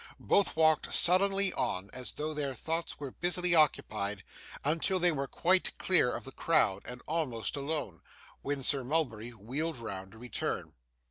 Both walked sullenly on, as though their thoughts were busily occupied, until they were quite clear of the crowd, and almost alone, when Sir Mulberry wheeled round to return.